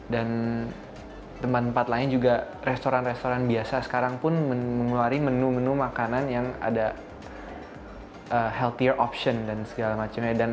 dan tempat tempat lain juga restoran restoran biasa sekarang pun mengeluari menu menu makanan yang ada healthier option dan segala macemnya